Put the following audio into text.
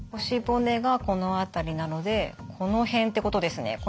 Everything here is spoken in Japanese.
腰骨がこの辺りなのでこの辺ってことですね。